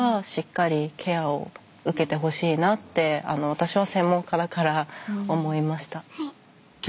私は専門家だから思いました。